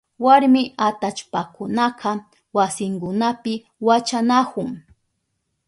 Warmi atallpakunaka wasinkunapi wachanahun.